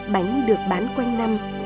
bánh được bán quanh năm